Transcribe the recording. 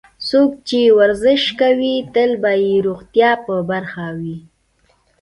څوک چې ورزش کوي، تل به یې روغتیا په برخه وي.